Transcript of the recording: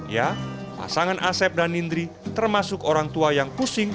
ya pasangan asep dan nindri termasuk orang tua yang pusing